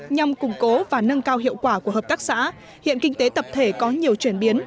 nhằm củng cố và nâng cao hiệu quả của hợp tác xã hiện kinh tế tập thể có nhiều chuyển biến